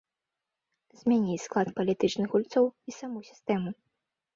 Змяніць склад палітычных гульцоў і саму сістэму.